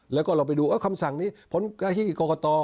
แล้วก็เราไปดูว่าคำสั่งนี้พ้นการคิดกรกต